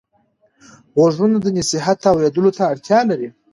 غوږونه د نصیحت اورېدلو ته اړتیا لري